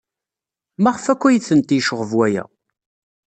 Maɣef akk ay tent-yecɣeb waya?